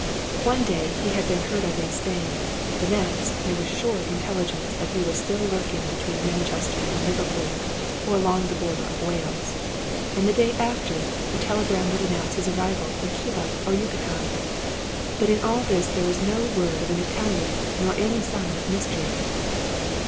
One day, he had been heard of in Spain; the next, there was sure intelligence that he was still lurking between Man chester and Liverpool, or along the border of Wales ; and the day after, a telegram would announce his arrival in Cuba or Yucatan. But in all this there was no word of an ItaHan, nor any sign of mystery.